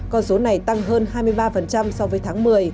con số này tăng hơn hai mươi ba so với tháng một mươi